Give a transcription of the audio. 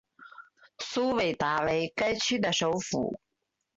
苏韦达为该区的首府。